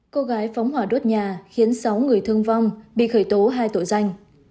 cô gái phóng hỏa đốt nhà khiến sáu người thương vong bị khởi tố hai tội danh